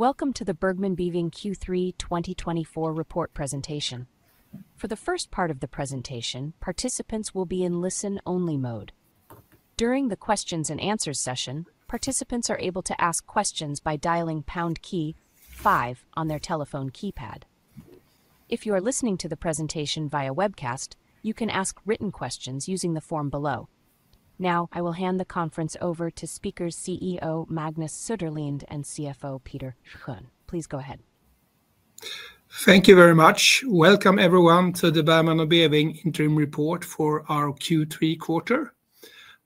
Welcome to the Bergman & Beving Q3 2024 report presentation. For the first part of the presentation, participants will be in listen-only mode. During the Q&A session, participants are able to ask questions by dialing pound key 5 on their telephone keypad. If you are listening to the presentation via webcast, you can ask written questions using the form below. Now, I will hand the conference over to our CEO Magnus Söderlind and CFO Peter Schön. Please go ahead. Thank you very much. Welcome, everyone, to the Bergman & Beving interim report for our Q3 quarter.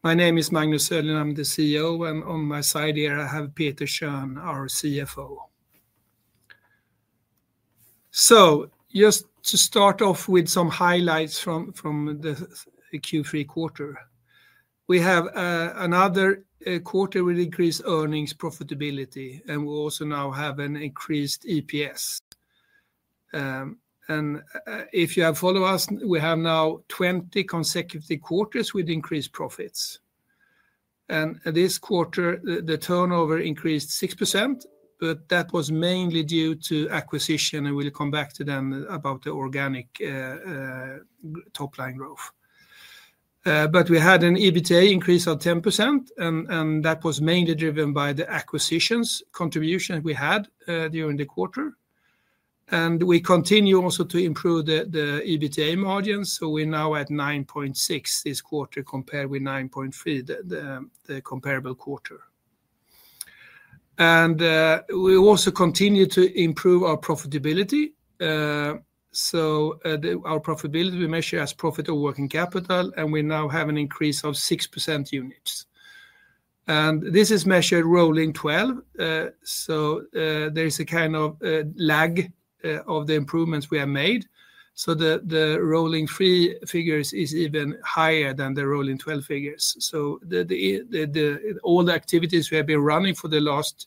My name is Magnus Söderlind. I'm the CEO, and on my side here I have Peter Schön, our CFO. So, just to start off with some highlights from the Q3 quarter, we have another quarter with increased earnings, profitability, and we also now have an increased EPS. And if you have followed us, we have now 20 consecutive quarters with increased profits. And this quarter, the turnover increased 6%, but that was mainly due to acquisition, and we'll come back to them about the organic top-line growth. But we had an EBITDA increase of 10%, and that was mainly driven by the acquisitions contribution we had during the quarter. And we continue also to improve the EBITDA margins, so we're now at 9.6% this quarter compared with 9.3%, the comparable quarter. And we also continue to improve our profitability, so our profitability we measure as profit over working capital, and we now have an increase of 6% units, and this is measured rolling 12, so there is a kind of lag of the improvements we have made, so the rolling three figures is even higher than the rolling 12 figures, so all the activities we have been running for the last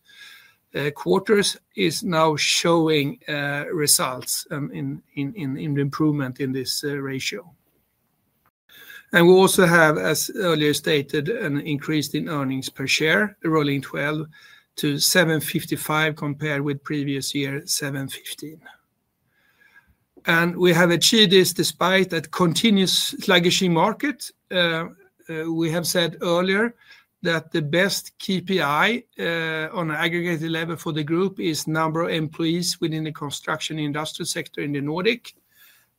quarters are now showing results in improvement in this ratio. And we also have, as earlier stated, an increase in earnings per share, rolling 12 to 755 compared with previous year 715, and we have achieved this despite a continuous sluggish market. We have said earlier that the best KPI on an aggregated level for the group is the number of employees within the construction industry sector in the Nordic.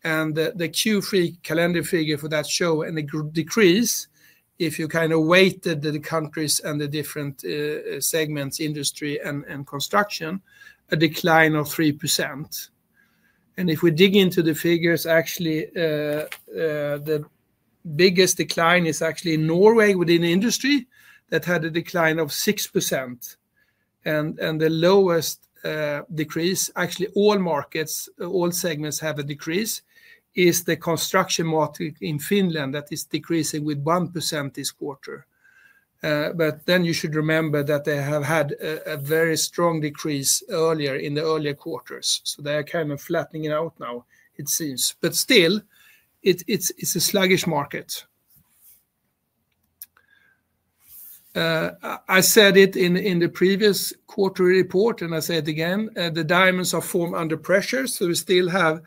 The Q3 calendar figure for that showed a decrease, if you kind of weighted the countries and the different segments, industry and construction, a decline of 3%. And if we dig into the figures, actually the biggest decline is actually in Norway within the industry that had a decline of 6%. And the lowest decrease, actually all markets, all segments have a decrease, is the construction market in Finland that is decreasing with 1% this quarter. But then you should remember that they have had a very strong decrease earlier in the earlier quarters, so they are kind of flattening out now, it seems. But still, it's a sluggish market. I said it in the previous quarter report, and I say it again, the diamonds are formed under pressure, so we still have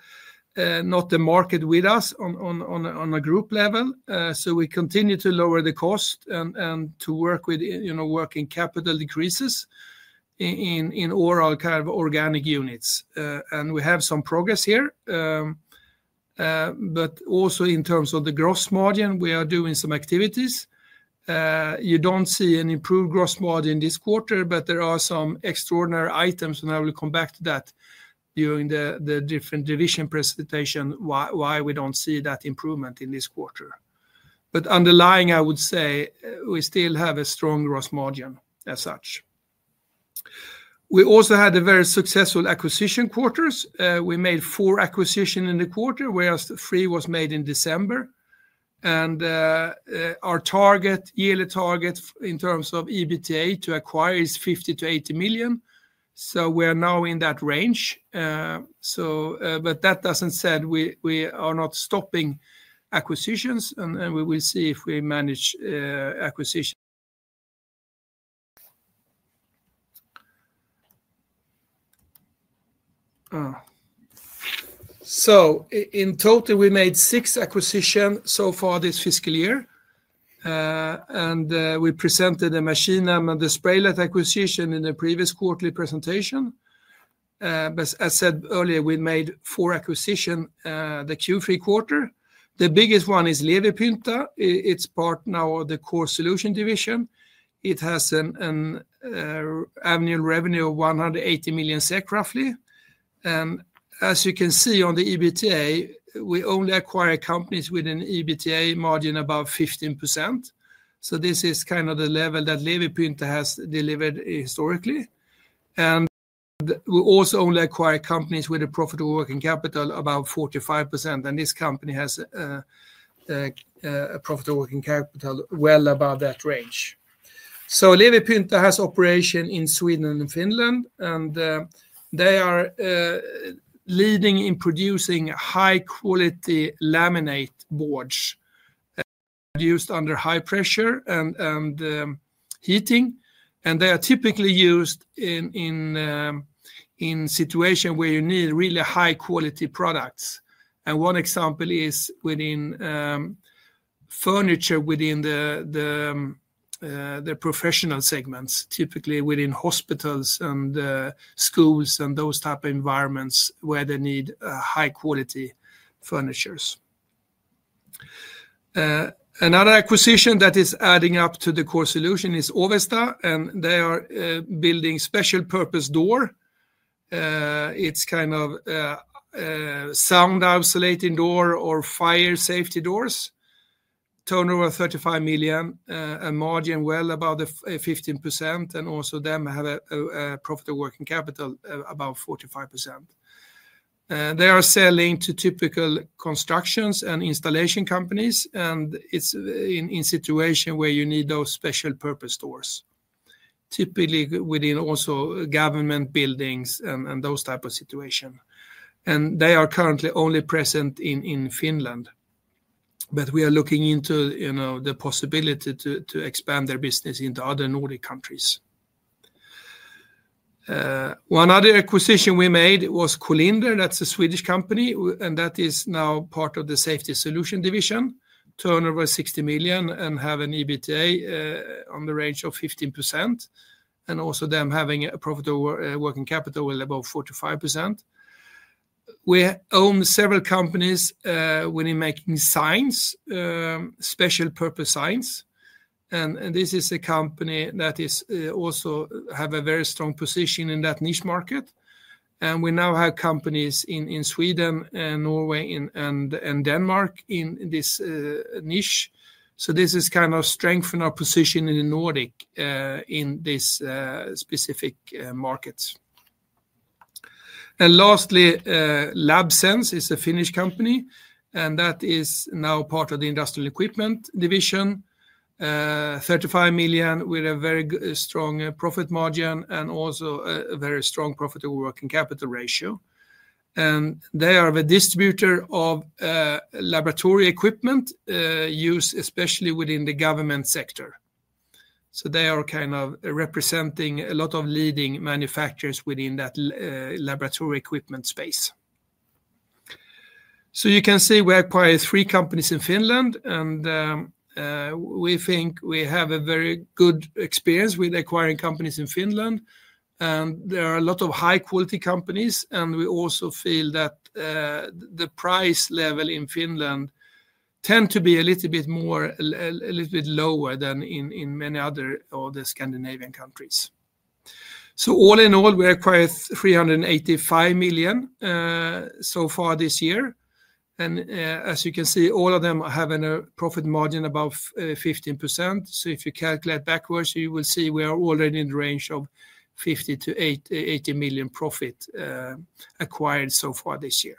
not the market with us on a group level. So, we continue to lower the cost and to work with, you know, working capital decreases in overall kind of organic units. And we have some progress here. But also, in terms of the gross margin, we are doing some activities. You don't see an improved gross margin this quarter, but there are some extraordinary items, and I will come back to that during the different division presentation, why we don't see that improvement in this quarter. But underlying, I would say, we still have a strong gross margin as such. We also had very successful acquisition quarters. We made four acquisitions in the quarter, whereas three were made in December. And our target, yearly target in terms of EBITDA to acquire is 50 to 80 million. So we are now in that range. But that doesn't say we are not stopping acquisitions, and we will see if we manage acquisitions. So in total, we made six acquisitions so far this fiscal year. And we presented a Maskin & Verktyg acquisition in the previous quarterly presentation. As I said earlier, we made four acquisitions the Q3 quarter. The biggest one is Levypinta. It's part now of the Core Solutions division. It has an annual revenue of 180 million SEK roughly. And as you can see on the EBITDA, we only acquire companies with an EBITDA margin above 15%. So this is kind of the level that Levypinta has delivered historically. And we also only acquire companies with a profit over working capital above 45%, and this company has a profit over working capital well above that range. Levypinta has operations in Sweden and Finland, and they are leading in producing high-quality laminate boards used under high pressure and heating. They are typically used in situations where you need really high-quality products. One example is within furniture within the professional segments, typically within hospitals and schools and those types of environments where they need high-quality furniture. Another acquisition that is adding up to the Core Solutions is Oveta, and they are building special purpose doors. It's kind of a sound-isolating door or fire safety doors, turnover 35 million, a margin well above 15%, and also they have a profit over working capital above 45%. They are selling to typical constructions and installation companies, and it's in situations where you need those special purpose doors, typically within also government buildings and those types of situations. They are currently only present in Finland, but we are looking into the possibility to expand their business into other Nordic countries. One other acquisition we made was K.L. Industri, that's a Swedish company, and that is now part of Safety Technology division, turnover 60 million, and have an EBITDA on the range of 15%, and also them having a profit over working capital well above 45%. We own several companies within making signs, special purpose signs. This is a company that also has a very strong position in that niche market. We now have companies in Sweden, Norway, and Denmark in this niche. This is kind of strengthening our position in the Nordic in these specific markets. And lastly, Labema is a Finnish company, and that is now part of the Industrial Equipment division, 35 million with a very strong profit margin and also a very strong profit over working capital ratio. And they are the distributor of laboratory equipment used especially within the government sector. So they are kind of representing a lot of leading manufacturers within that laboratory equipment space. So you can see we acquire three companies in Finland, and we think we have a very good experience with acquiring companies in Finland. And there are a lot of high-quality companies, and we also feel that the price level in Finland tends to be a little bit more, a little bit lower than in many other of the Scandinavian countries. So all in all, we acquired 385 million so far this year. And as you can see, all of them have a profit margin above 15%. So if you calculate backwards, you will see we are already in the range of 50-80 million profit acquired so far this year.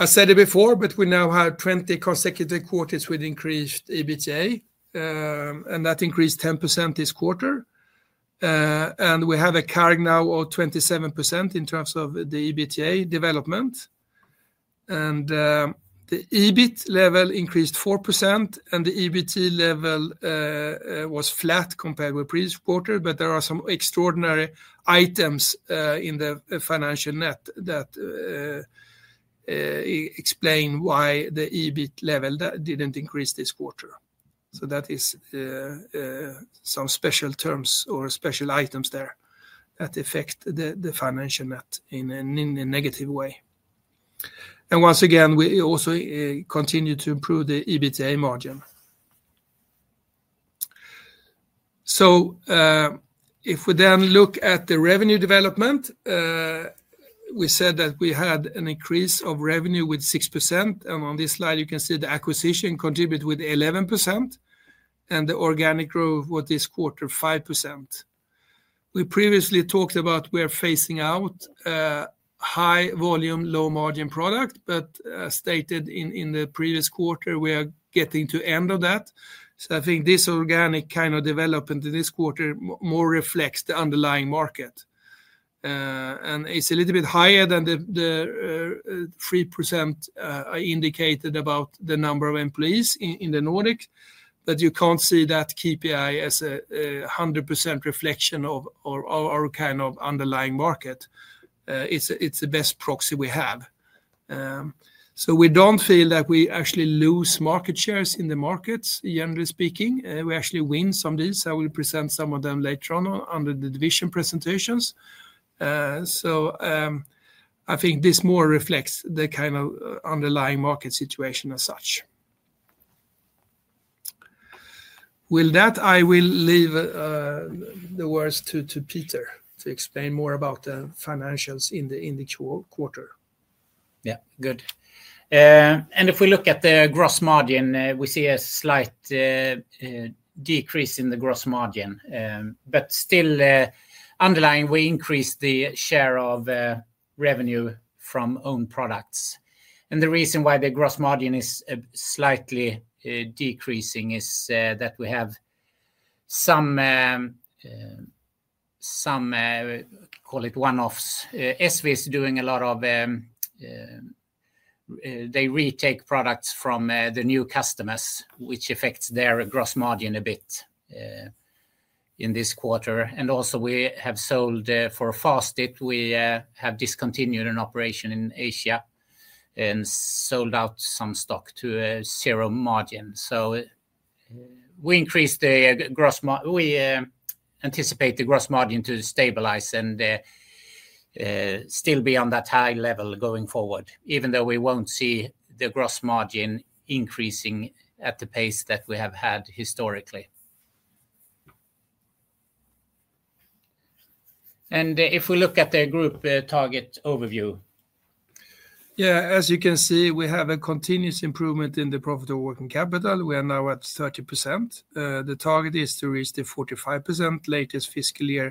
I said it before, but we now have 20 consecutive quarters with increased EBITDA, and that increased 10% this quarter. And we have currently 27% in terms of the EBITDA development. And the EBIT level increased 4%, and the EBIT level was flat compared with previous quarter, but there are some extraordinary items in the financial net that explain why the EBIT level didn't increase this quarter. So that is some special terms or special items there that affect the financial net in a negative way. And once again, we also continue to improve the EBITDA margin. So if we then look at the revenue development, we said that we had an increase of revenue with 6%, and on this slide, you can see the acquisition contributed with 11%, and the organic growth for this quarter, 5%. We previously talked about we are phasing out high-volume, low-margin product, but as stated in the previous quarter, we are getting to the end of that. So I think this organic kind of development in this quarter more reflects the underlying market. And it's a little bit higher than the 3% I indicated about the number of employees in the Nordic, but you can't see that KPI as a 100% reflection of our kind of underlying market. It's the best proxy we have. So we don't feel that we actually lose market shares in the markets, generally speaking. We actually win some deals. I will present some of them later on under the division presentations. So I think this more reflects the kind of underlying market situation as such. With that, I will leave the words to Peter to explain more about the financials in the Q4. Yeah, good. And if we look at the gross margin, we see a slight decrease in the gross margin, but still underlying, we increased the share of revenue from owned products. And the reason why the gross margin is slightly decreasing is that we have some call it one-offs. ESSVE is doing a lot of. They retake products from the new customers, which affects their gross margin a bit in this quarter. And also, for Fastening, we have discontinued an operation in Asia and sold out some stock to zero margin. So we increased the gross. We anticipate the gross margin to stabilize and still be on that high level going forward, even though we won't see the gross margin increasing at the pace that we have had historically. And if we look at the group target overview. Yeah, as you can see, we have a continuous improvement in the profit over working capital. We are now at 30%. The target is to reach the 45% latest fiscal year,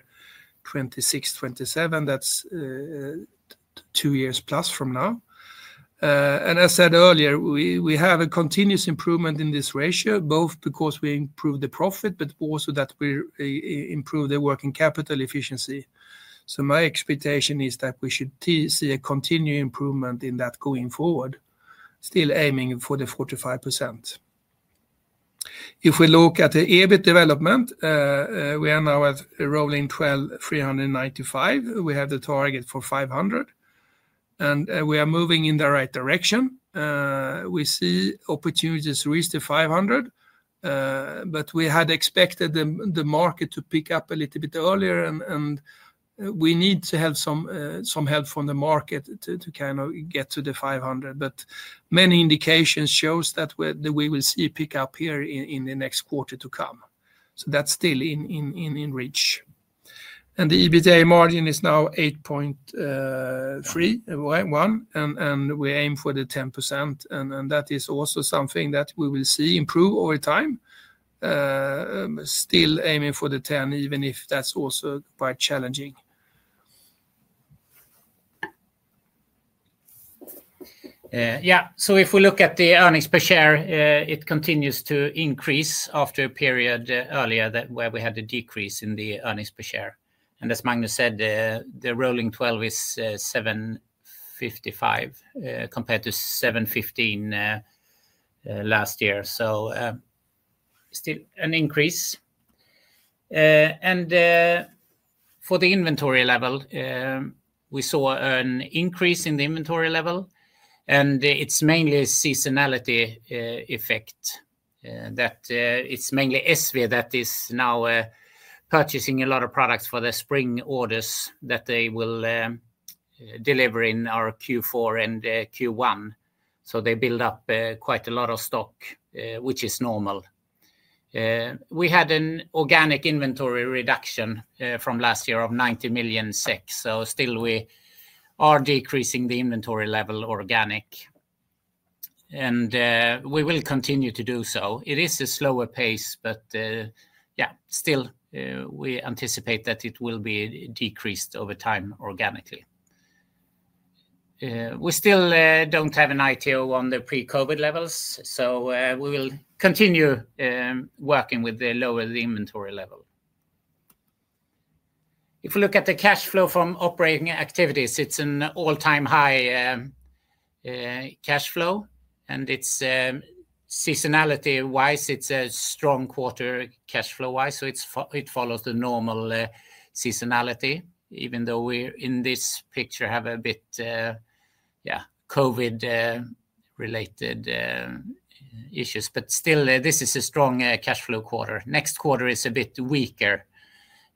2026 to 2027, that's two years plus from now. And as I said earlier, we have a continuous improvement in this ratio, both because we improve the profit, but also that we improve the working capital efficiency. So my expectation is that we should see a continued improvement in that going forward, still aiming for the 45%. If we look at the EBIT development, we are now at rolling 12,395. We have the target for 500, and we are moving in the right direction. We see opportunities to reach the 500, but we had expected the market to pick up a little bit earlier, and we need to have some help from the market to kind of get to the 500. But many indications show that we will see a pickup here in the next quarter to come. So that's still in reach. And the EBITDA margin is now 8.31, and we aim for the 10%, and that is also something that we will see improve over time, still aiming for the 10, even if that's also quite challenging. Yeah, so if we look at the earnings per share, it continues to increase after a period earlier where we had a decrease in the earnings per share. And as Magnus said, the rolling 12 is 755 compared to 715 last year. So still an increase. And for the inventory level, we saw an increase in the inventory level, and it's mainly a seasonality effect that it's mainly ESSVE that is now purchasing a lot of products for the spring orders that they will deliver in our Q4 and Q1. So they build up quite a lot of stock, which is normal. We had an organic inventory reduction from last year of 90 million. So still, we are decreasing the inventory level organically, and we will continue to do so. It is a slower pace, but yeah, still, we anticipate that it will be decreased over time organically. We still don't have an ITO on the pre-COVID levels, so we will continue working with the lower inventory level. If we look at the cash flow from operating activities, it's an all-time high cash flow, and it's seasonality-wise, it's a strong quarter cash flow-wise, so it follows the normal seasonality, even though we in this picture have a bit, yeah, COVID-related issues, but still, this is a strong cash flow quarter. Next quarter is a bit weaker,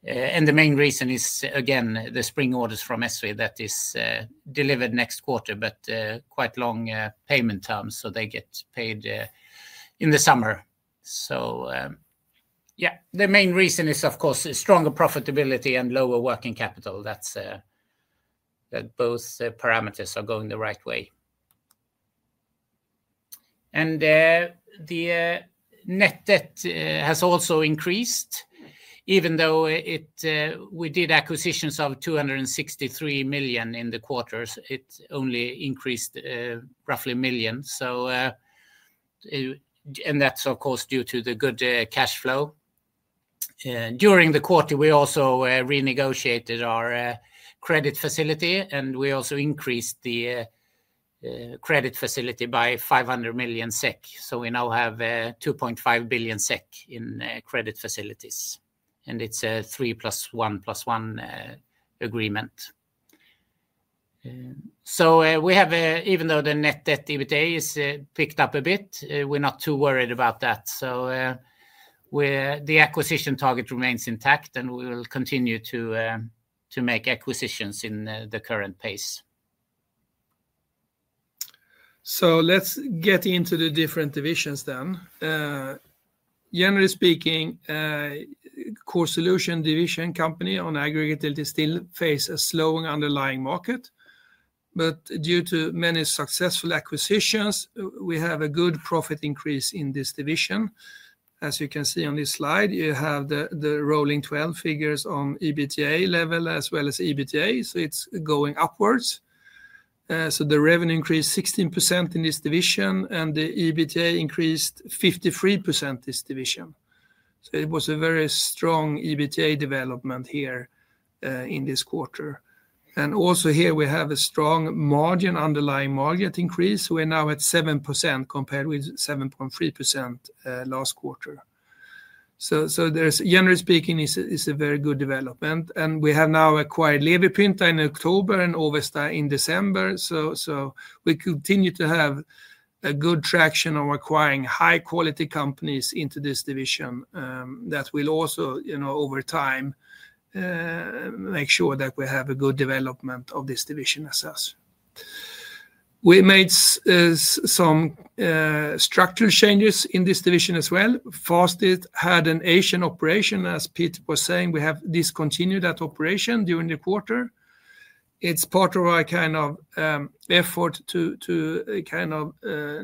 and the main reason is, again, the spring orders from ESSVE that is delivered next quarter, but quite long payment terms, so they get paid in the summer, so yeah, the main reason is, of course, stronger profitability and lower working capital. That's that both parameters are going the right way. And the net debt has also increased, even though we did acquisitions of 263 million in the quarters. It only increased roughly 1 million. And that's, of course, due to the good cash flow. During the quarter, we also renegotiated our credit facility, and we also increased the credit facility by 500 million SEK. So we now have 2.5 billion SEK in credit facilities, and it's a 3+1+1 agreement. So we have, even though the net debt EBITDA has picked up a bit, we're not too worried about that. So the acquisition target remains intact, and we will continue to make acquisitions in the current pace. So let's get into the different divisions then. Generally speaking, Core Solutions division company on aggregate still faces a slowing underlying market. But due to many successful acquisitions, we have a good profit increase in this division. As you can see on this slide, you have the rolling 12 figures on EBITDA level as well as EBITDA, so it's going upwards. So the revenue increased 16% in this division, and the EBITDA increased 53% this division. So it was a very strong EBITDA development here in this quarter. And also here, we have a strong margin underlying market increase. We're now at 7% compared with 7.3% last quarter. So generally speaking, it's a very good development. And we have now acquired Levypinta in October and Oveta in December. So we continue to have a good traction on acquiring high-quality companies into this division that will also, over time, make sure that we have a good development of this division as such. We made some structural changes in this division as well. B&B Fastening had an Asian operation, as Peter was saying. We have discontinued that operation during the quarter. It's part of our kind of effort to kind of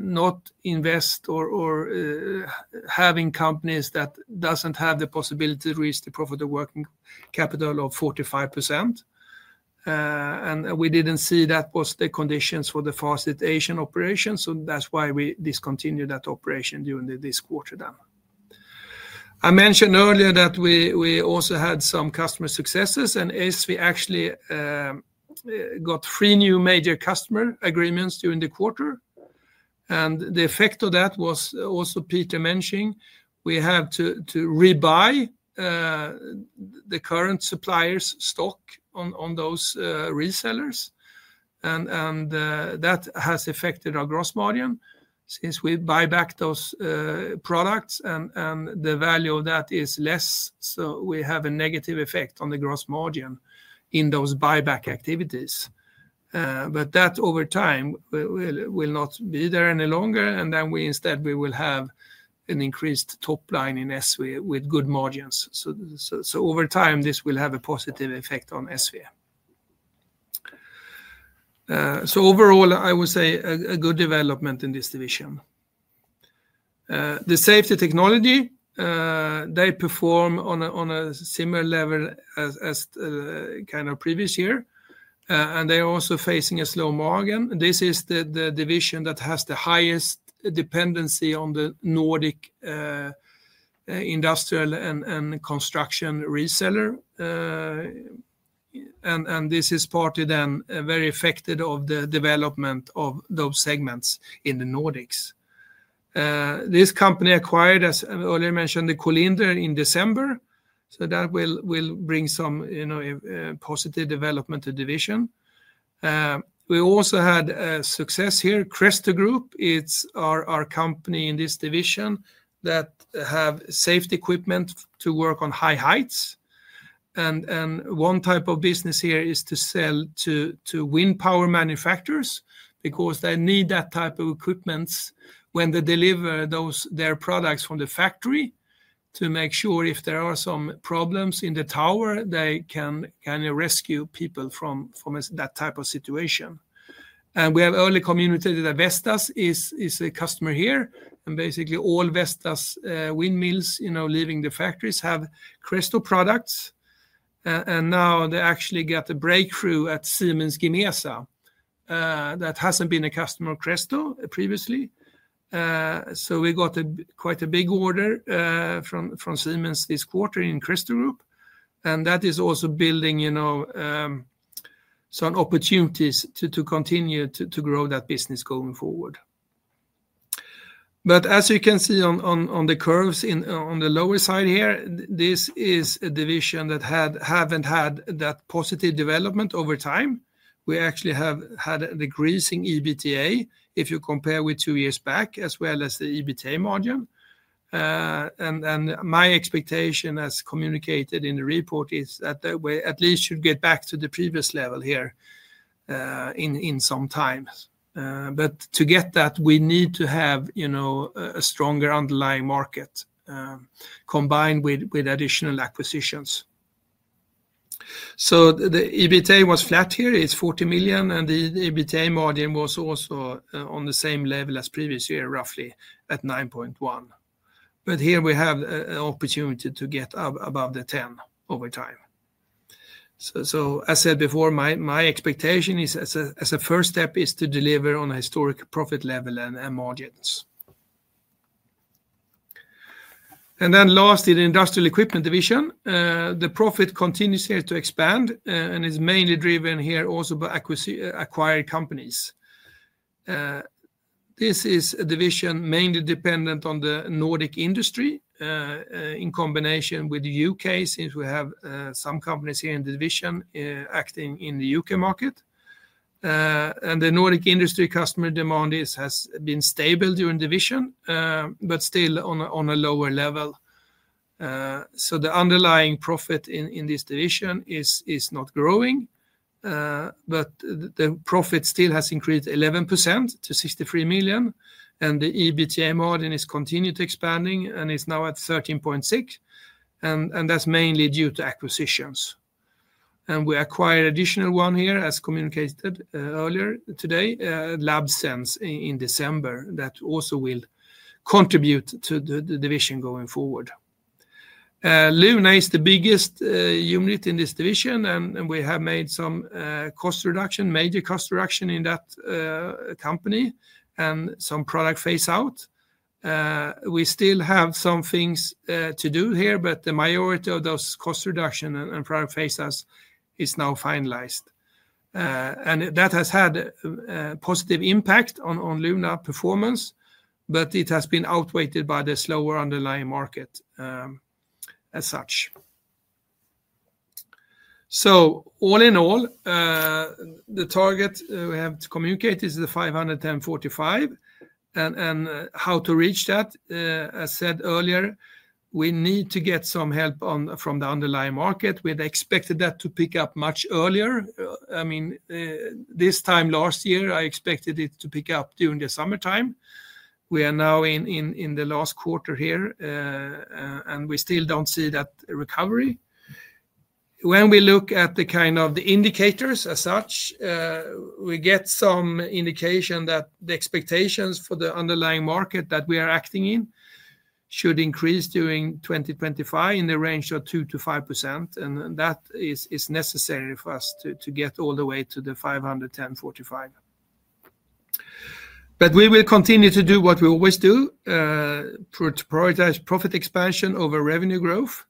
not invest or having companies that don't have the possibility to reach the profit of working capital of 45%. And we didn't see that was the conditions for the B&B Fastening Asian operation. So that's why we discontinued that operation during this quarter then. I mentioned earlier that we also had some customer successes, and ESSVE actually got three new major customer agreements during the quarter. And the effect of that was also Peter mentioning. We have to rebuy the current suppliers' stock on those resellers. And that has affected our gross margin since we buy back those products, and the value of that is less. So we have a negative effect on the gross margin in those buyback activities. But that over time will not be there any longer, and then instead, we will have an increased top line in ESSVE with good margins. So over time, this will have a positive effect on ESSVE. So overall, I would say a good development in this division. The Safety Technology, they perform on a similar level as kind of previous year, and they are also facing a slow margin. This is the division that has the highest dependency on the Nordic industrial and construction reseller. And this is partly then very affected of the development of those segments in the Nordics.This company acquired, as earlier K.L. Industri in december. So that will bring some positive development to the division. We also had success here. Cresto Group is our company in this division that has safety equipment to work on high heights. And one type of business here is to sell to wind power manufacturers because they need that type of equipment when they deliver their products from the factory to make sure if there are some problems in the tower, they can kind of rescue people from that type of situation. And we have early communicated that Vestas is a customer here. And basically, all Vestas windmills leaving the factories have Cresto products. And now they actually got a breakthrough at Siemens Gamesa that hasn't been a customer of Cresto previously. So we got quite a big order from Siemens this quarter in Cresto Group. That is also building some opportunities to continue to grow that business going forward. But as you can see on the curves on the lower side here, this is a division that hasn't had that positive development over time. We actually have had a decreasing EBITDA if you compare with two years back as well as the EBITDA margin. My expectation as communicated in the report is that we at least should get back to the previous level here in some time. To get that, we need to have a stronger underlying market combined with additional acquisitions. The EBITDA was flat here. It's 40 million, and the EBITDA margin was also on the same level as previous year, roughly at 9.1%. Here we have an opportunity to get above 10% over time. As I said before, my expectation as a first step is to deliver on a historic profit level and margins. And then lastly, the Industrial Equipment division, the profit continues here to expand and is mainly driven here also by acquired companies. This is a division mainly dependent on the Nordic industry in combination with the UK since we have some companies here in the division acting in the UK market. And the Nordic industry customer demand has been stable during the division, but still on a lower level. The underlying profit in this division is not growing, but the profit still has increased 11% to 63 million. And the EBITDA margin is continued expanding and is now at 13.6%. And that's mainly due to acquisitions. And we acquired additional one here, as communicated earlier today, Labema in December that also will contribute to the division going forward. Luna is the biggest unit in this division, and we have made some cost reduction, major cost reduction in that company and some product phase-out. We still have some things to do here, but the majority of those cost reduction and product phase-outs is now finalized, and that has had a positive impact on Luna performance, but it has been outweighed by the slower underlying market as such, so all in all, the target we have to communicate is the 500/45, and how to reach that, as said earlier, we need to get some help from the underlying market. We had expected that to pick up much earlier. I mean, this time last year, I expected it to pick up during the summertime. We are now in the last quarter here, and we still don't see that recovery. When we look at the kind of the indicators as such, we get some indication that the expectations for the underlying market that we are acting in should increase during 2025 in the range of 2% to 5%, and that is necessary for us to get all the way to the 500/45, but we will continue to do what we always do, prioritize profit expansion over revenue growth,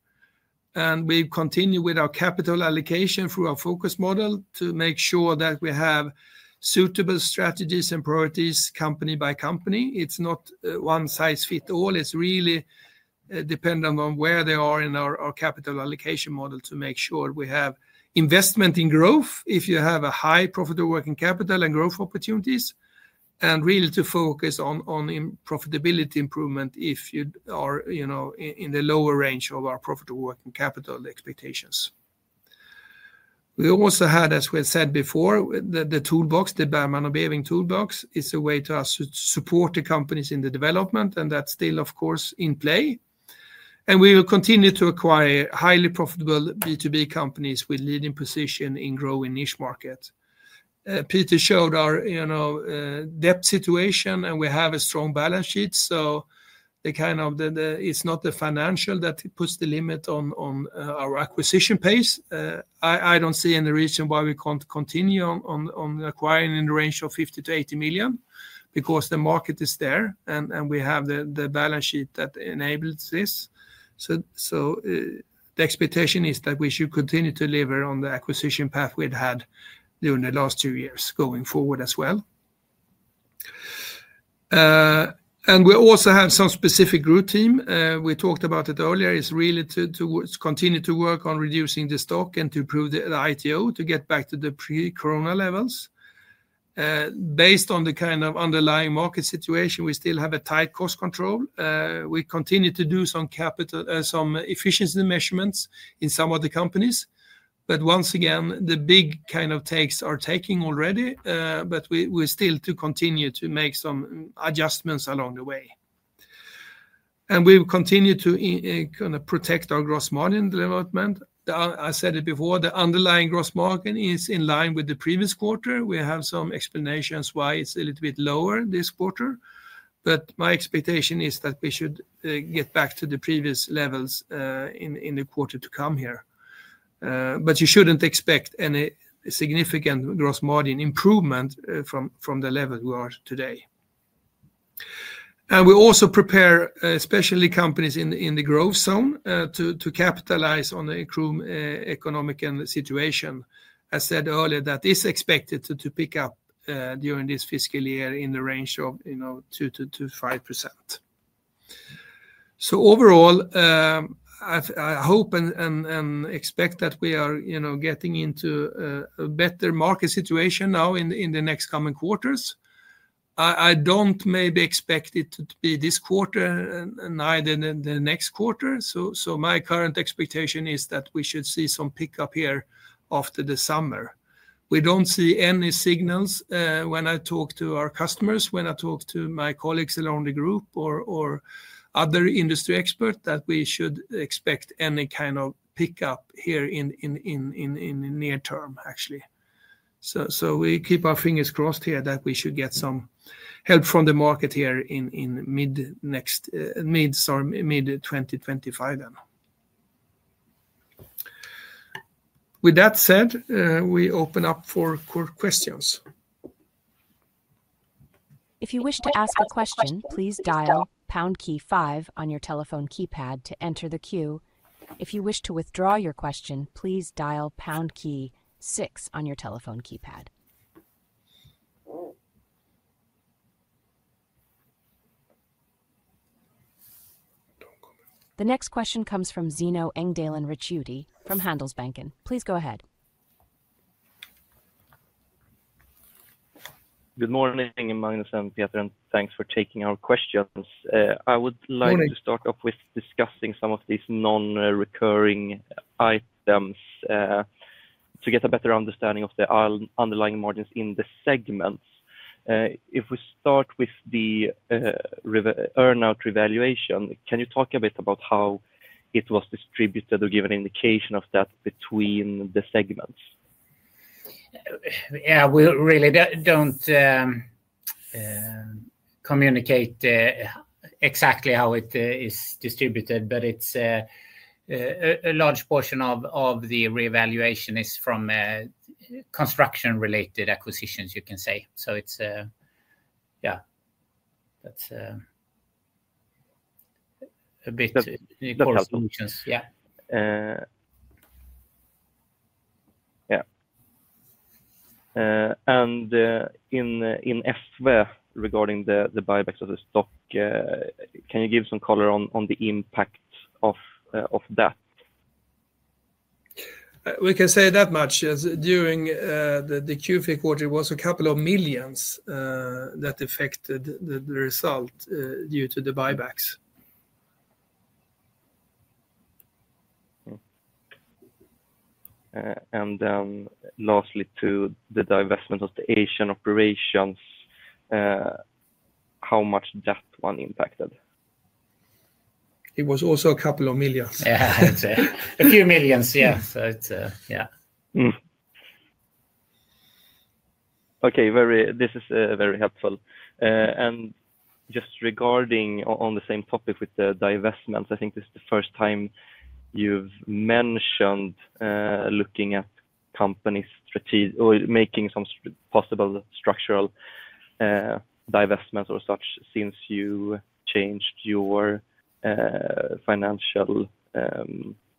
and we continue with our capital allocation through our focus model to make sure that we have suitable strategies and priorities company by company. It's not one size fits all. It's really dependent on where they are in our capital allocation model to make sure we have investment in growth if you have a high profitable working capital and growth opportunities, and really to focus on profitability improvement if you are in the lower range of our profitable working capital expectations. We also had, as we said before, the toolbox. The Bergman & Beving Toolbox is a way to support the companies in the development, and that's still, of course, in play. And we will continue to acquire highly profitable B2B companies with leading position in growing niche markets. Peter showed our debt situation, and we have a strong balance sheet. So, the kind of, it's not the financial that puts the limit on our acquisition pace. I don't see any reason why we can't continue on acquiring in the range of 50 million to 80 million because the market is there, and we have the balance sheet that enables this. So the expectation is that we should continue to deliver on the acquisition path we had had during the last two years going forward as well. And we also have some specific growth team. We talked about it earlier. It's really to continue to work on reducing the stock and to improve the ITO to get back to the pre-Corona levels. Based on the kind of underlying market situation, we still have a tight cost control. We continue to do some efficiency measurements in some of the companies, but once again, the big kind of takes are taking already, but we still to continue to make some adjustments along the way, and we will continue to kind of protect our gross margin development. I said it before, the underlying gross margin is in line with the previous quarter. We have some explanations why it's a little bit lower this quarter, but my expectation is that we should get back to the previous levels in the quarter to come here, but you shouldn't expect any significant gross margin improvement from the level we are today. And we also prepare especially companies in the growth zone to capitalize on the economic situation. As said earlier, that is expected to pick up during this fiscal year in the range of 2% to 5%. So overall, I hope and expect that we are getting into a better market situation now in the next coming quarters. I don't maybe expect it to be this quarter, neither the next quarter. So my current expectation is that we should see some pickup here after the summer. We don't see any signals when I talk to our customers, when I talk to my colleagues around the group or other industry experts that we should expect any kind of pickup here in the near term, actually. So we keep our fingers crossed here that we should get some help from the market here in mid-2025 then. With that said, we open up for questions. If you wish to ask a question, please dial pound key five on your telephone keypad to enter the queue. If you wish to withdraw your question, please dial pound key six on your telephone keypad. The next question comes from Zino Engdalen Ricciuti from Handelsbanken. Please go ahead. Good morning, Magnus and Peter, and thanks for taking our questions. I would like to start off with discussing some of these non-recurring items to get a better understanding of the underlying margins in the segments. If we start with the earnout revaluation, can you talk a bit about how it was distributed or give an indication of that between the segments? Yeah, we really don't communicate exactly how it is distributed, but it's a large portion of the revaluation is from construction-related acquisitions, you can say. So it's, yeah, that's a bit of functions. Yeah. Yeah. And in ESSVE regarding the buyback of the stock, can you give some color on the impact of that? We can say that much. During the Q3 quarter, it was a couple of millions that affected the result due to the buybacks. And then lastly, to the divestment of the Asian operations, how much that one impacted? It was also a couple of millions. Yeah, a few millions, yeah. So it's, yeah. Okay, this is very helpful. And just regarding on the same topic with the divestments, I think this is the first time you've mentioned looking at companies or making some possible structural divestments or such since you changed your financial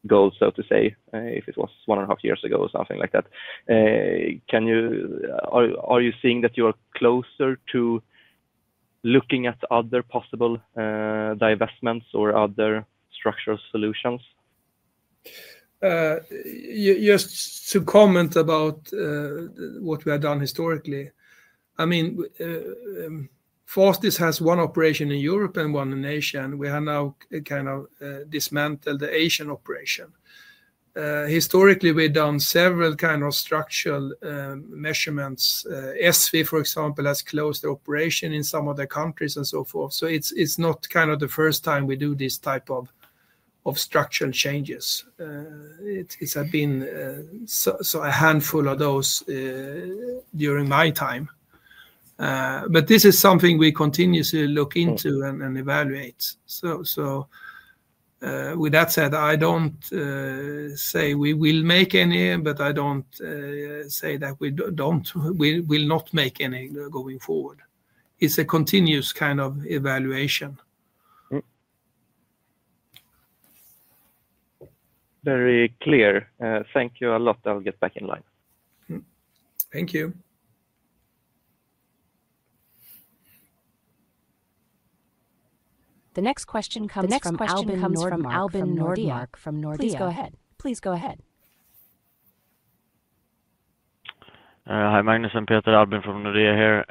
goals, so to say, if it was one and a half years ago or something like that. Are you seeing that you are closer to looking at other possible divestments or other structural solutions? Just to comment about what we have done historically, I mean, ESSVE has one operation in Europe and one in Asia, and we have now kind of dismantled the Asian operation. Historically, we've done several kind of structural measurements. ESSVE, for example, has closed the operation in some of the countries and so forth, so it's not kind of the first time we do this type of structural changes. It's been a handful of those during my time, but this is something we continuously look into and evaluate, so with that said, I don't say we will make any, but I don't say that we will not make any going forward. It's a continuous kind of evaluation. Very clear. Thank you a lot. I'll get back in line. Thank you. The next question comes from Albin Nordmark from Nordea. Please go ahead. Hi, Magnus and Peter. Albin from Nordea here.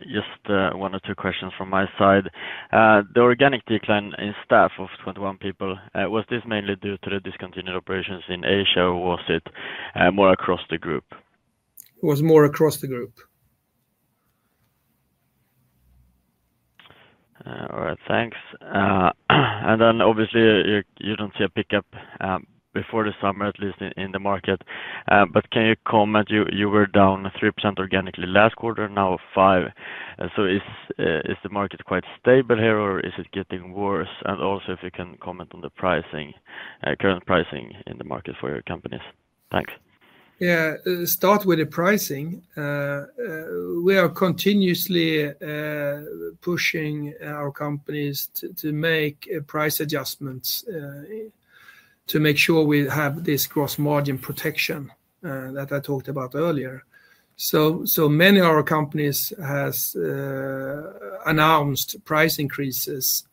Just one or two questions from my side. The organic decline in staff of 21 people, was this mainly due to the discontinued operations in Asia or was it more across the group? It was more across the group. All right, thanks. And then obviously, you don't see a pickup before the summer, at least in the market. But can you comment? You were down 3% organically last quarter, now 5%. So is the market quite stable here or is it getting worse? And also if you can comment on the pricing, current pricing in the market for your companies. Thanks. Yeah, start with the pricing. We are continuously pushing our companies to make price adjustments to make sure we have this gross margin protection that I talked about earlier, so many of our companies have announced price increases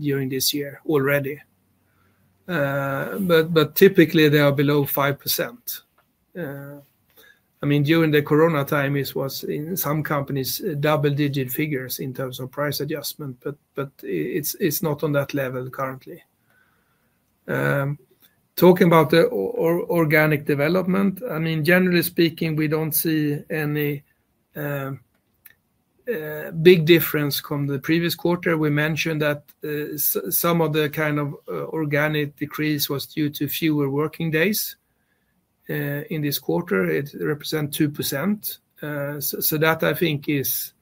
during this year already, but typically, they are below 5%. I mean, during the Corona time, it was in some companies double-digit figures in terms of price adjustment, but it's not on that level currently. Talking about the organic development, I mean, generally speaking, we don't see any big difference from the previous quarter. We mentioned that some of the kind of organic decrease was due to fewer working days in this quarter. It represents 2%, so that, I think, is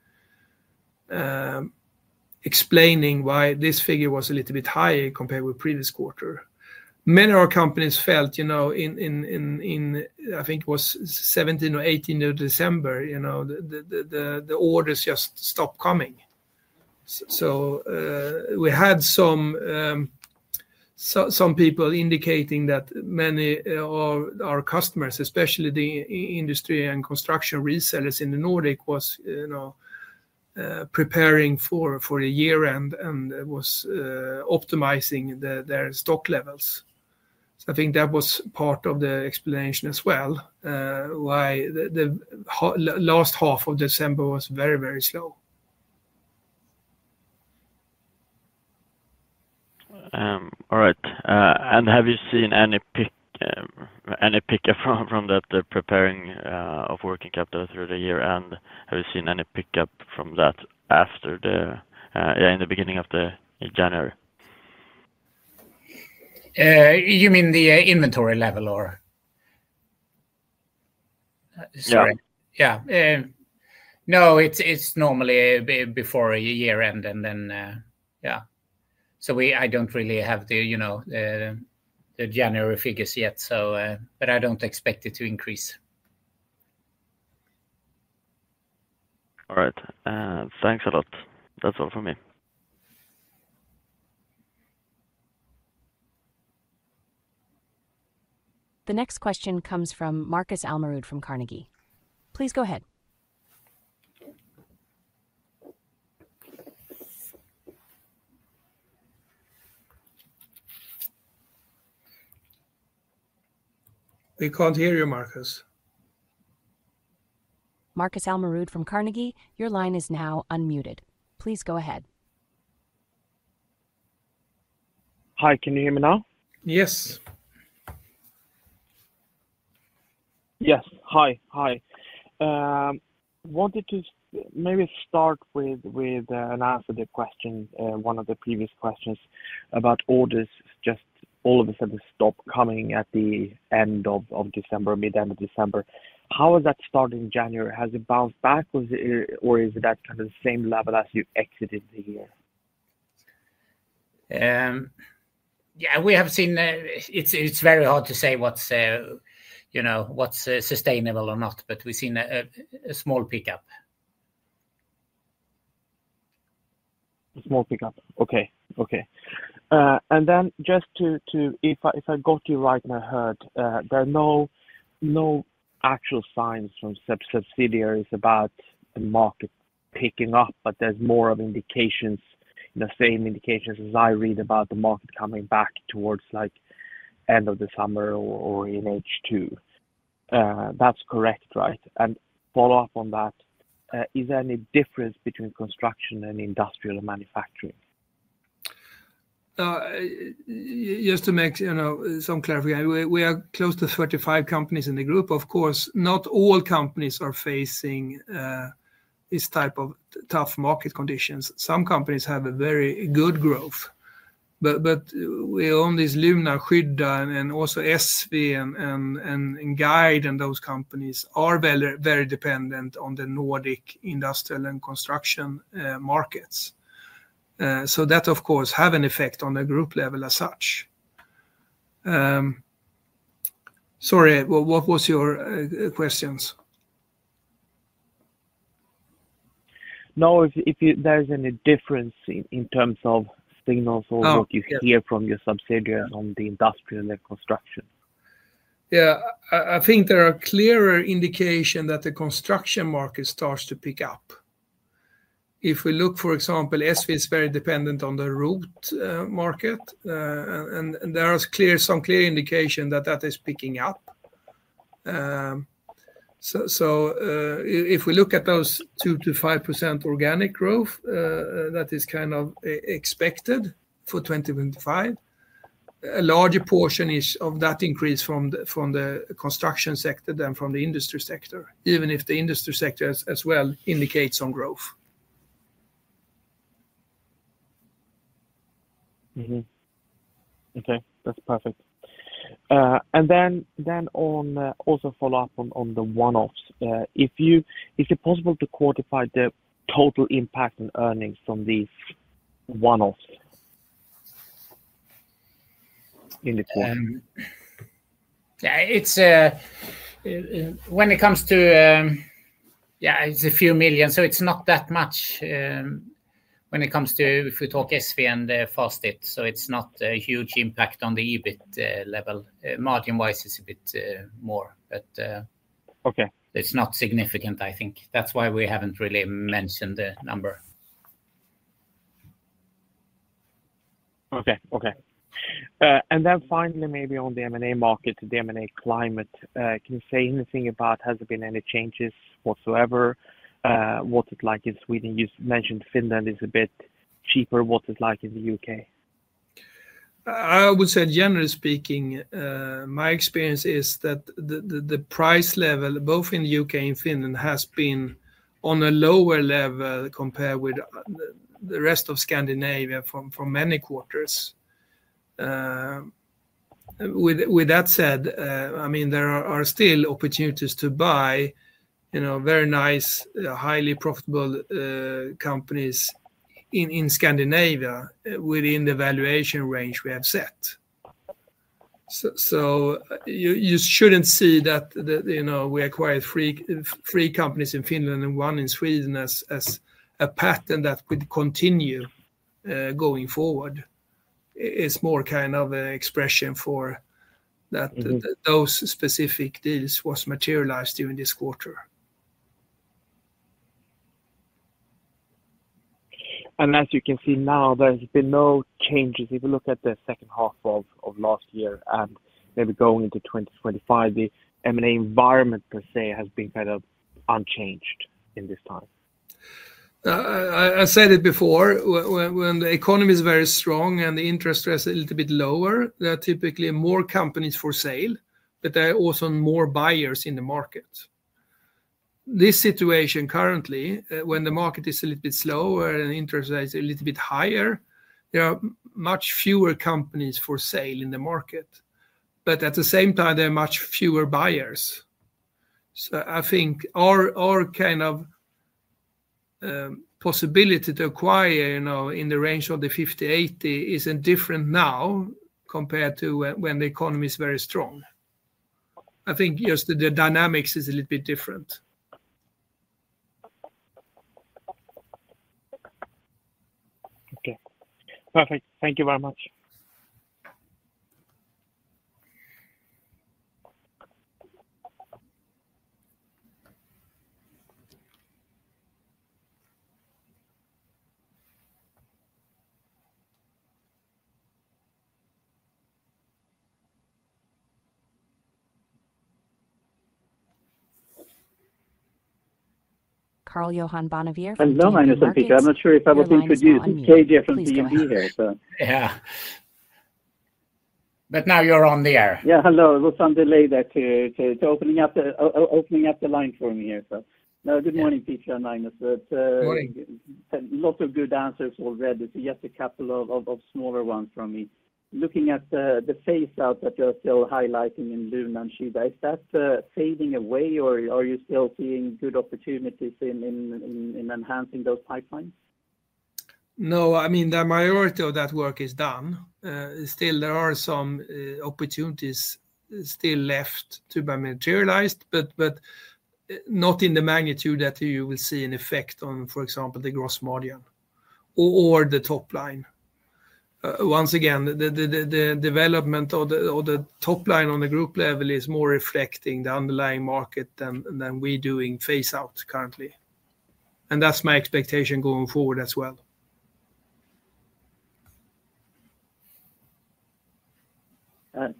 explaining why this figure was a little bit higher compared with previous quarter. Many of our companies felt, I think it was 17 or 18 of December, the orders just stopped coming. So we had some people indicating that many of our customers, especially the industry and construction resellers in the Nordic, were preparing for the year-end and were optimizing their stock levels. So I think that was part of the explanation as well why the last half of December was very, very slow. All right. And have you seen any pickup from that preparing of working capital through the year-end? Have you seen any pickup from that after the, yeah, in the beginning of January? You mean the inventory level or? Sorry. Yeah. No, it's normally before year-end and then, yeah. So I don't really have the January figures yet, but I don't expect it to increase. All right. Thanks a lot. That's all from me. The next question comes from Marcus Almerud from Carnegie. Please go ahead. We can't hear you, Marcus. Marcus Almerud from Carnegie, your line is now unmuted. Please go ahead. Hi, can you hear me now? Yes. Yes. Hi. Hi. Wanted to maybe start with an answer to the question, one of the previous questions about orders just all of a sudden stopped coming at the end of December, mid-end of December. How has that started in January? Has it bounced back, or is that kind of the same level as you exited the year? Yeah, we have seen it's very hard to say what's sustainable or not, but we've seen a small pickup. A small pickup. Okay. Okay. And then just to if I got you right, I heard there are no actual signs from subsidiaries about the market picking up, but there's more of indications, the same indications as I read about the market coming back towards end of the summer or in H2. That's correct, right? And follow up on that, is there any difference between construction and industrial manufacturing? Just to make some clarification, we are close to 35 companies in the group. Of course, not all companies are facing this type of tough market conditions. Some companies have very good growth. But we own these Luna, Skydda, and also ESSVE and Guide, and those companies are very dependent on the Nordic industrial and construction markets. So that, of course, has an effect on the group level as such. Sorry, what was your questions? No, if there's any difference in terms of signals or what you hear from your subsidiaries on the industrial and construction. Yeah, I think there are clearer indications that the construction market starts to pick up. If we look, for example, ESSVE is very dependent on the ROT market, and there are some clear indications that that is picking up. So if we look at those 2% to 5% organic growth, that is kind of expected for 2025. A larger portion of that increase is from the construction sector than from the industry sector, even if the industry sector as well indicates some growth. Okay. That's perfect. And then also follow up on the one-offs. Is it possible to quantify the total impact on earnings from these one-offs in the quarter? Yeah, when it comes to, yeah, it's a few millions, so it's not that much when it comes to if we talk ESSVE and B&B Fastening. So it's not a huge impact on the EBIT level. Margin-wise, it's a bit more, but it's not significant, I think. That's why we haven't really mentioned the number. Okay. Okay. And then finally, maybe on the M&A market, the M&A climate, can you say anything about has there been any changes whatsoever? What's it like in Sweden? You mentioned Finland is a bit cheaper. What's it like in the UK? I would say, generally speaking, my experience is that the price level, both in the UK and Finland, has been on a lower level compared with the rest of Scandinavia for many quarters. With that said, I mean, there are still opportunities to buy very nice, highly profitable companies in Scandinavia within the valuation range we have set. So you shouldn't see that we acquired three companies in Finland and one in Sweden as a pattern that could continue going forward. It's more kind of an expression for that those specific deals were materialized during this quarter. And as you can see now, there have been no changes. If you look at the second half of last year and maybe going into 2025, the M&A environment per se has been kind of unchanged in this time. I said it before. When the economy is very strong and the interest rates are a little bit lower, there are typically more companies for sale, but there are also more buyers in the market. This situation currently, when the market is a little bit slower and interest rates are a little bit higher, there are much fewer companies for sale in the market. But at the same time, there are much fewer buyers. So I think our kind of possibility to acquire in the range of the 50to 80 is different now compared to when the economy is very strong. I think just the dynamics is a little bit different. Okay. Perfect. Thank you very much. Karl-Johan Bonnevier from DNB Markets. Your line is open Please go ahead. Hello, Magnus and Peter. I'm not sure if I was introduced, KJ from DNB here, so. Yeah. But now you're on the air. Yeah. Hello. It was some delay to opening up the line for me here, so. No, good morning, Peter and Magnus. Good morning. Lots of good answers already. So you had a couple of smaller ones from me. Looking at the phase-out that you're still highlighting in Luna and Skydda, is that fading away, or are you still seeing good opportunities in enhancing those pipelines? No, I mean, the majority of that work is done. Still, there are some opportunities still left to be materialized, but not in the magnitude that you will see an effect on, for example, the gross margin or the top line. Once again, the development of the top line on the group level is more reflecting the underlying market than what we're doing, phasing out currently. And that's my expectation going forward as well.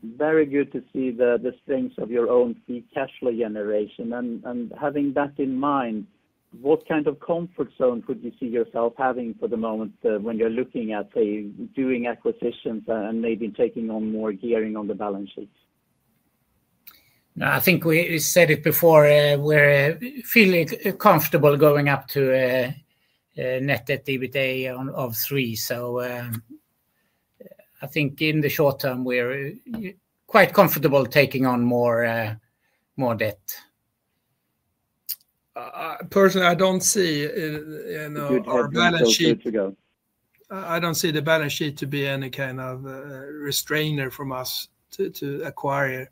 Very good to see the strength of your own cash flow generation. And having that in mind, what kind of comfort zone would you see yourself having for the moment when you're looking at, say, doing acquisitions and maybe taking on more gearing on the balance sheet? I think we said it before. We're feeling comfortable going up to net debt ratio of three. So I think in the short term, we're quite comfortable taking on more debt. Personally, I don't see our balance sheet to be any kind of restraint from us to acquire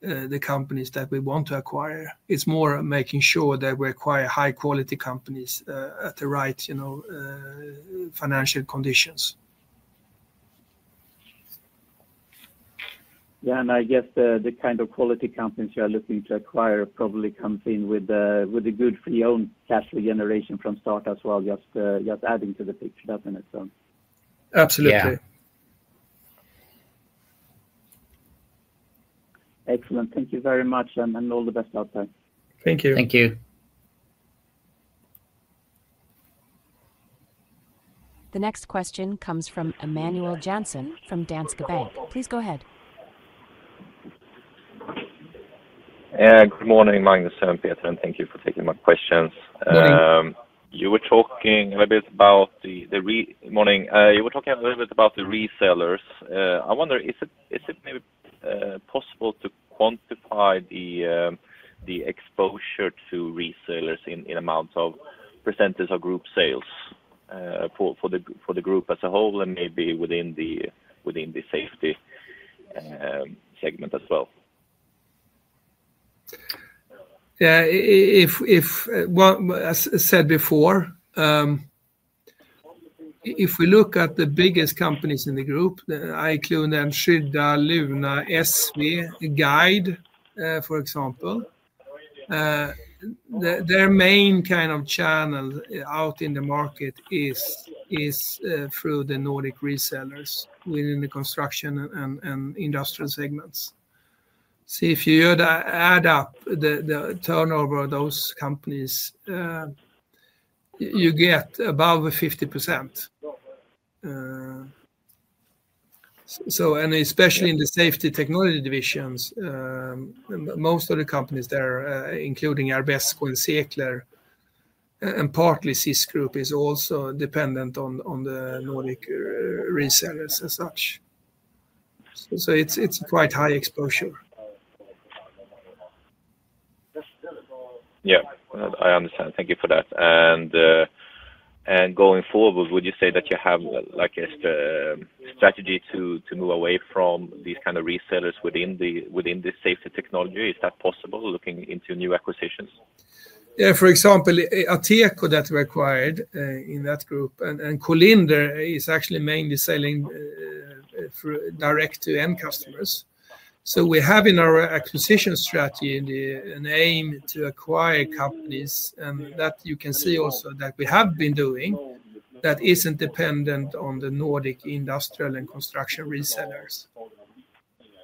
the companies that we want to acquire. It's more making sure that we acquire high-quality companies at the right financial conditions. Yeah. And I guess the kind of quality companies you are looking to acquire probably comes in with a good free cash flow generation from start as well, just adding to the picture, doesn't it? Absolutely. Yeah. Excellent. Thank you very much, and all the best out there. Thank you. Thank you. The next question comes from Emanuel Jansson from Danske Bank. Please go ahead. Good morning, Magnus and Peter. And thank you for taking my questions. You were talking a little bit about the margin. You were talking a little bit about the resellers. I wonder, is it maybe possible to quantify the exposure to resellers in amounts of percentage of group sales for the group as a whole and maybe within the safety segment as well? Yeah. As I said before, if we look at the biggest companies in the group, Ikaros, Skydda, Luna, ESSVE, Guide, for example, their main kind of channel out in the market is through the Nordic resellers within the construction and industrial segments. See, if you add up the turnover of those companies, you get above 50%, and especially in the Safety Technology divisions, most of the companies there, including Arbesko, Cresto & Zekler and partly Group, is also dependent on the Nordic resellers as such. So it's quite high exposure. Yeah. I understand. Thank you for that, and going forward, would you say that you have a strategy to move away from these kind of resellers within the Safety Technology? Is that possible looking into new acquisitions? Yeah. For example, Ateg that we acquired in that K.L. Industri is actually mainly selling direct to end customers. So we have in our acquisition strategy an aim to acquire companies, and that you can see also that we have been doing that isn't dependent on the Nordic industrial and construction resellers.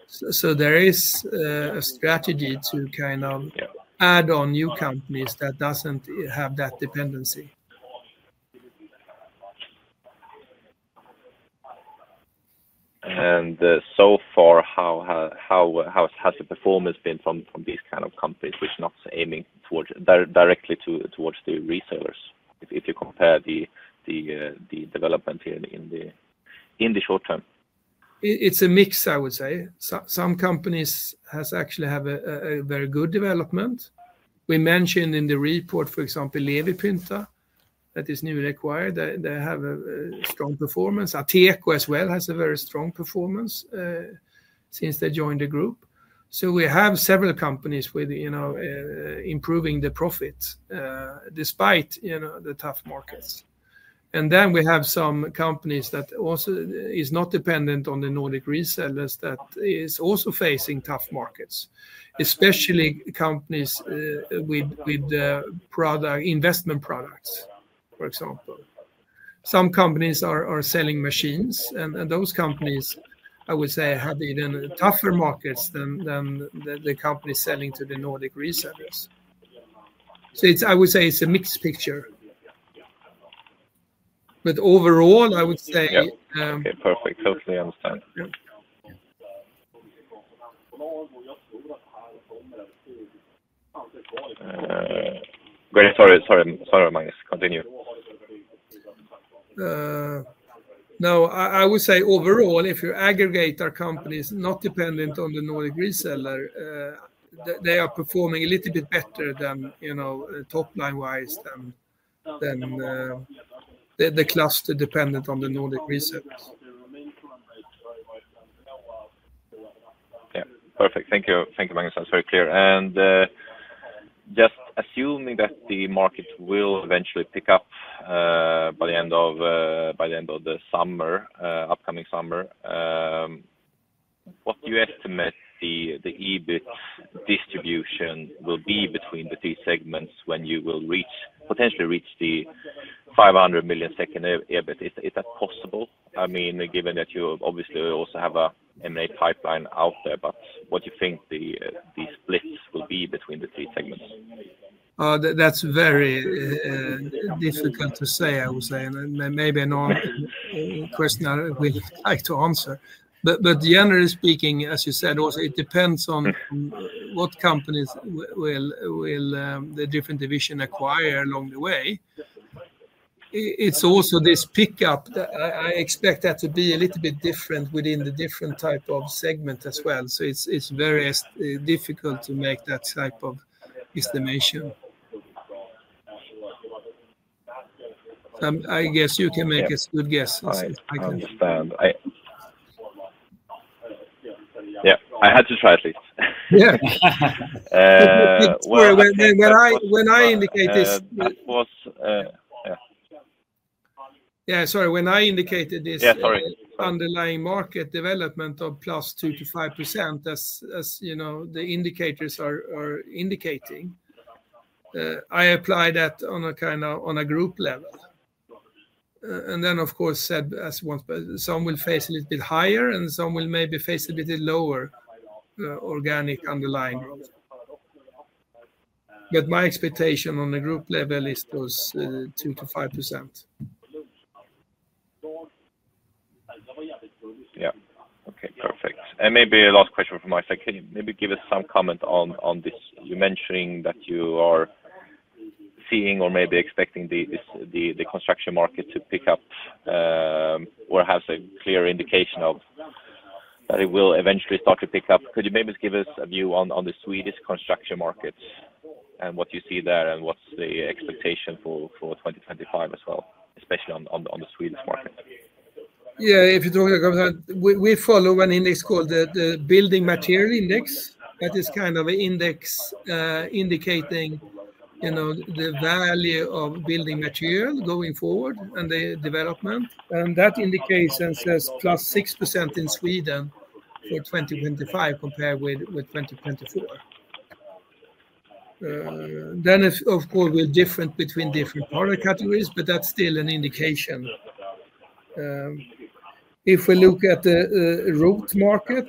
So there is a strategy to kind of add on new companies that doesn't have that dependency. And so far, how has the performance been from these kind of companies which are not aiming directly towards the resellers if you compare the development here in the short term? It's a mix, I would say. Some companies actually have a very good development. We mentioned in the report, for example, Lidalco that is newly acquired. They have a strong performance. Ateg as well has a very strong performance since they joined the group. So we have several companies improving the profits despite the tough markets. We have some companies that also are not dependent on the Nordic resellers that are also facing tough markets, especially companies with investment products, for example. Some companies are selling machines, and those companies, I would say, have even tougher markets than the companies selling to the Nordic resellers. I would say it's a mixed picture. Overall, I would say. Okay. Perfect. Totally understand. Sorry, sorry, Magnus. Continue. No, I would say overall, if you aggregate our companies not dependent on the Nordic reseller, they are performing a little bit better top line-wise than the cluster dependent on the Nordic resellers. Perfect. Thank you, Magnus. That's very clear. Just assuming that the market will eventually pick up by the end of the summer, upcoming summer, what do you estimate the EBIT distribution will be between the three segments when you will potentially reach the 500 million EBIT? Is that possible? I mean, given that you obviously also have an M&A pipeline out there, but what do you think the splits will be between the three segments? That's very difficult to say, I would say, and maybe not a question I would like to answer. Generally speaking, as you said, also it depends on what companies will the different division acquire along the way. It's also this pickup that I expect that to be a little bit different within the different type of segment as well. It's very difficult to make that type of estimation. I guess you can make a good guess. I understand. Yeah. I had to try at least. Yeah. When I indicate this. Yeah. Sorry. When I indicated this underlying market development of +2% to 5%, as the indicators are indicating, I applied that on a group level. And then, of course, some will face a little bit higher, and some will maybe face a little bit lower organic underlying. But my expectation on the group level is those 2% to 5%. Yeah. Okay. Perfect. And maybe a last question from my side. Can you maybe give us some comment on this? You're mentioning that you are seeing or maybe expecting the construction market to pick up or has a clear indication of that it will eventually start to pick up. Could you maybe give us a view on the Swedish construction market and what you see there and what's the expectation for 2025 as well, especially on the Swedish market? Yeah. If you talk about that, we follow an index called the Building Material Index. That is kind of an index indicating the value of building material going forward and the development. And that indication says plus 6% in Sweden for 2025 compared with 2024. Then, of course, we're different between different product categories, but that's still an indication. If we look at the roof market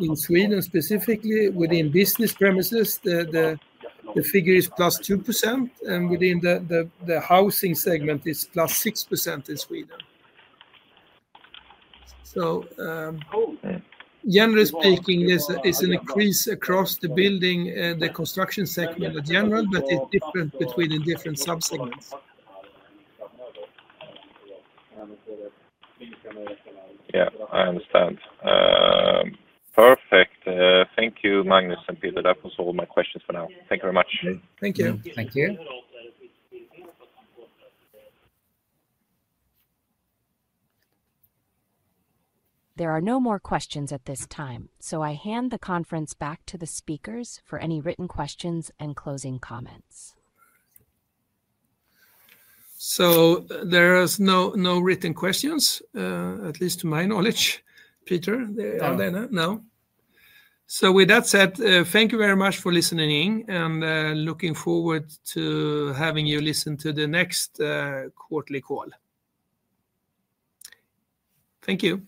in Sweden specifically, within business premises, the figure is plus 2%, and within the housing segment, it's plus 6% in Sweden. So generally speaking, it's an increase across the building and the construction segment in general, but it's different between different subsegments. Yeah. I understand. Perfect. Thank you, Magnus and Peter. That was all my questions for now. Thank you very much. Thank you. Thank you. There are no more questions at this time, so I hand the conference back to the speakers for any written questions and closing comments. So there are no written questions, at least to my knowledge, Peter or then, no. So with that said, thank you very much for listening in, and looking forward to having you listen to the next quarterly call. Thank you.